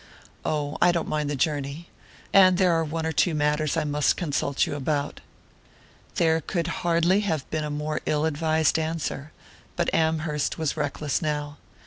"Oh, I don't mind the journey and there are one or two matters I must consult you about." There could hardly have been a more ill advised answer, but Amherst was reckless now.